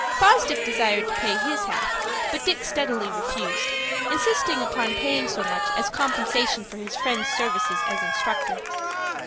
Fosdick desired to pay his half; but Dick steadily refused, insisting upon paying so much as compensation for his friend's services as instructor.